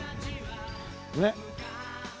ねっ。